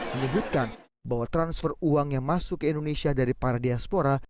menyebutkan bahwa transfer uang yang masuk ke indonesia dari para diaspora